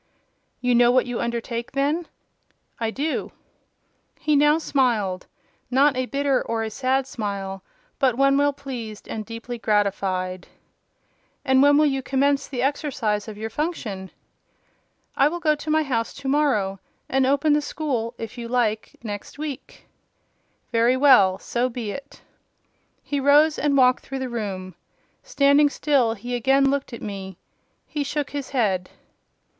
"You know what you undertake, then?" "I do." He now smiled: and not a bitter or a sad smile, but one well pleased and deeply gratified. "And when will you commence the exercise of your function?" "I will go to my house to morrow, and open the school, if you like, next week." "Very well: so be it." He rose and walked through the room. Standing still, he again looked at me. He shook his head.